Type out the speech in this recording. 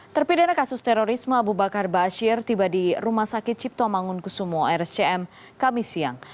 terpidana kasus terorisme abu bakar bashir tiba di rumah sakit cipto mangunkusumo rscm kami siang